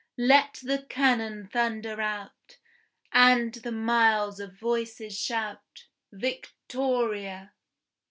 Let the cannon thunder out, and the miles of voices shout Victoria!